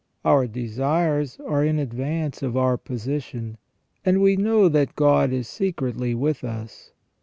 Our desires are in advance of our position, and we know that God is secretly with us.